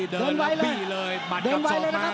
เดินไว้เลยเดินไว้เลยนะครับ